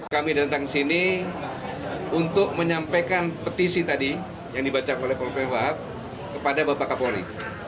kami datang sini untuk menyampaikan petisi tadi yang dibaca oleh polri wahab kepada bapak kapolri